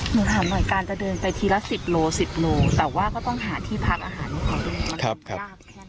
หนูถามหน่อยการจะเดินไปทีละ๑๐โล๑๐โลแต่ว่าก็ต้องหาที่พักอาหารมาก่อน